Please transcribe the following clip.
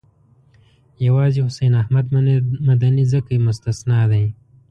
یوازې حسین احمد مدني ځکه مستثنی دی.